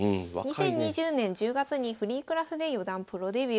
２０２０年１０月にフリークラスで四段プロデビュー。